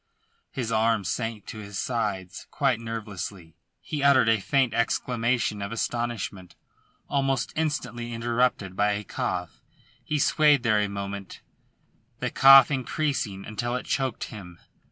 His arms sank to his sides quite nervelessly. He uttered a faint exclamation of astonishment, almost instantly interrupted by a cough. He swayed there a moment, the cough increasing until it choked him.